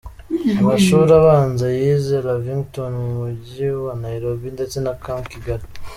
Amashuri abanza yize Lavington mu Mujyi wa Nairobi ndetse na Camp Kigali.